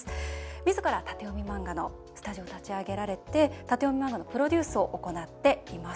みずから縦読み漫画のスタジオを立ち上げられて縦読み漫画のプロデュースを行っています。